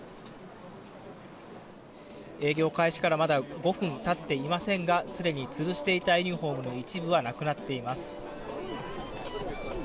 営業開始からまだ５分経っていませんがすでにつるしていたユニホームの一部はなくなっています。